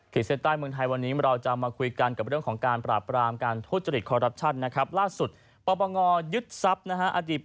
โปรดติดตามตอนต่อไป